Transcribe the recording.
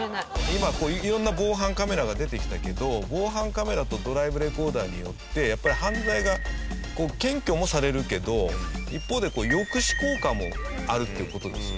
今こう色んな防犯カメラが出てきたけど防犯カメラとドライブレコーダーによってやっぱり犯罪が検挙もされるけど一方で抑止効果もあるっていう事です。